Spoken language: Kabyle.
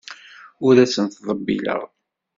Ur asen-ttḍebbileɣ.